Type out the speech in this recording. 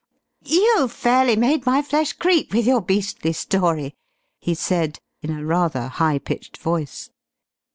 "You've fairly made my flesh creep with your beastly story!" he said, in a rather high pitched voice.